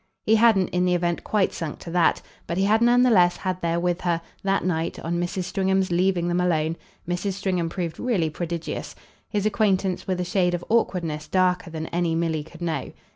He hadn't in the event quite sunk to that; but he had none the less had there with her, that night, on Mrs. Stringham's leaving them alone Mrs. Stringham proved really prodigious his acquaintance with a shade of awkwardness darker than any Milly could know.